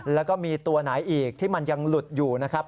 แล้วก็มีตัวไหนอีกที่มันยังหลุดอยู่นะครับ